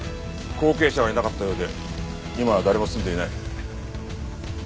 後継者がいなかったようで今は誰も住んでいない。